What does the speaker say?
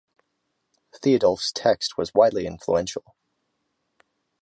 Theodulf's text was widely influential.